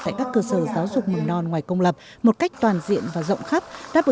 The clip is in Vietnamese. tại các cơ sở giáo dục mầm non ngoài công lập một cách toàn diện và rộng khắp đáp